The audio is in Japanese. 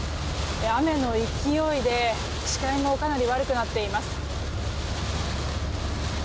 雨の勢いで視界もかなり悪くなっています。